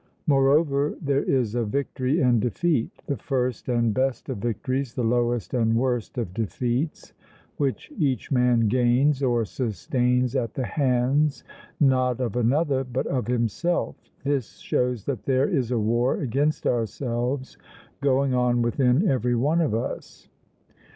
Moreover, there is a victory and defeat the first and best of victories, the lowest and worst of defeats which each man gains or sustains at the hands, not of another, but of himself; this shows that there is a war against ourselves going on within every one of us.